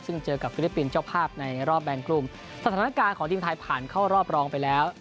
ซึ่งเจอกับฟิลิปปินส์เจ้าภาพในรอบแบ่งกลุ่มสถานการณ์ของทีมไทยผ่านเข้ารอบรองไปแล้ว